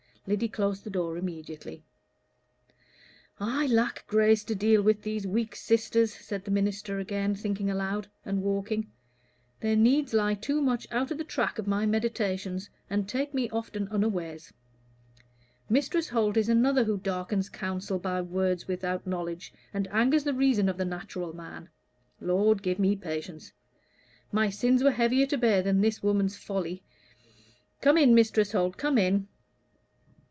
Lyddy closed the door immediately. "I lack grace to deal with these weak sisters," said the minister, again thinking aloud, and walking. "Their needs lie too much out of the track of my meditations, and take me often unawares. Mistress Holt is another who darkens counsel by words without knowledge, and angers the reason of the natural man. Lord, give me patience. My sins were heavier to bear than this woman's folly. Come in, Mrs. Holt come in."